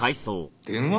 電話？